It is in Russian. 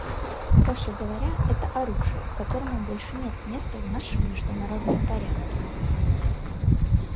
Проще говоря, это оружие, которому больше нет места в нашем международном порядке.